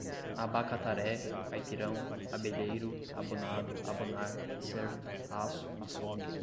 abacataré, caipirão, abelheiro, abonado, abonar, acerto, aço, açougue